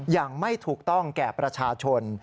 อย่างไม่ถูกต้องแก่ประชาชน